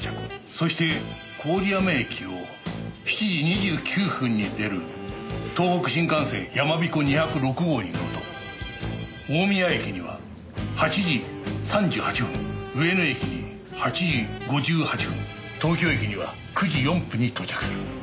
そして郡山駅を７時２９分に出る東北新幹線やまびこ２０６号に乗ると大宮駅には８時３８分上野駅に８時５８分東京駅には９時４分に到着する。